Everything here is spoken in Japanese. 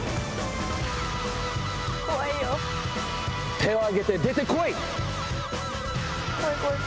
手を上げて出て来い！